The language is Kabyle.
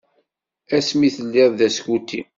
Ass mi telliḍ d askuti.